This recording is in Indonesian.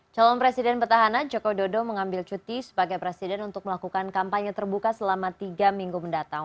calon presiden petahana joko dodo mengambil cuti sebagai presiden untuk melakukan kampanye terbuka selama tiga minggu mendatang